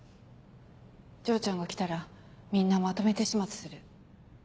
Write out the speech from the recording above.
丈ちゃんが来たらみんなまとめて始末する。